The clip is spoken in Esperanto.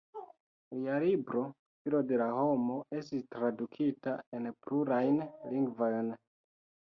Lia libro "Filo de la homo" estis tradukita en plurajn lingvojn.